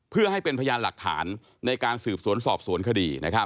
เพื่อให้เป็นพยานหลักฐานในการสืบสวนสอบสวนคดี